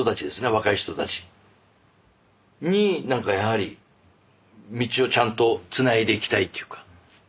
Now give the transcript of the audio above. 若い人たちに何かやはり道をちゃんとつないでいきたいっていうか。